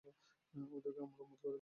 ওদেরকে আমার উম্মত করে দিন।